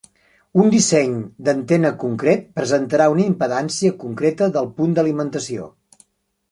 Un disseny d'antena concret presentarà una impedància concreta del punt d'alimentació.